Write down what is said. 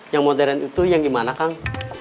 yang modern itu yang gimana kang